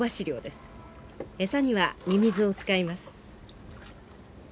餌にはミミズを使います。